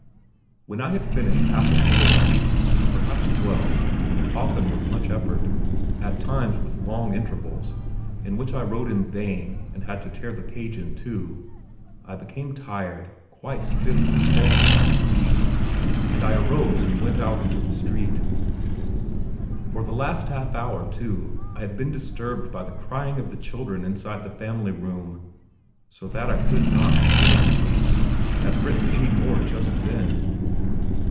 When I had finished half a score of pages, perhaps twelve, often with much effort, at times with long intervals, in which I wrote in vain and had to tear the page in two, I had become tired, quite stiff with cold and fatigue, and I arose and went out into the street. For the last half hour, too, I had been disturbed by the crying of the children inside the family room, so that I could not, in any case, have written any more just then.